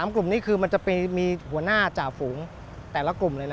กลุ่มนี้คือมันจะมีหัวหน้าจ่าฝูงแต่ละกลุ่มเลยนะ